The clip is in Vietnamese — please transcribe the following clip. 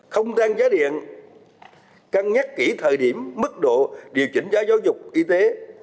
không tăng giá điện cân nhắc kỹ thời điểm mức độ điều chỉnh giá giáo dục y tế